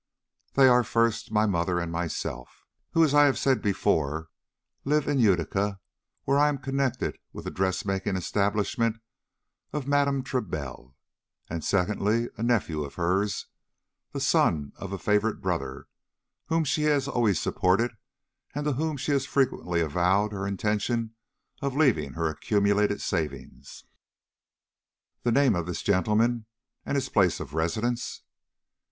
They are, first, my mother and myself, who, as I have before said, live in Utica, where I am connected with the dress making establishment of Madame Trebelle; and, secondly, a nephew of hers, the son of a favorite brother, whom she has always supported, and to whom she has frequently avowed her intention of leaving her accumulated savings." "The name of this gentleman and his place of residence?"